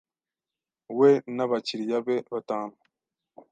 we n’abakiriya be batanu